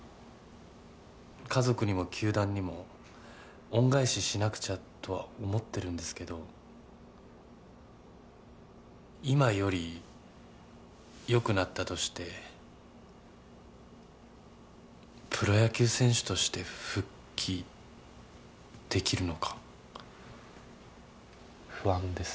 家族にも球団にも恩返ししなくちゃとは思ってるんですけど今よりよくなったとしてプロ野球選手として復帰できるのか不安です・